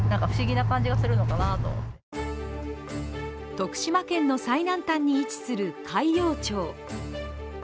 徳島県の最南端に位置する海陽町。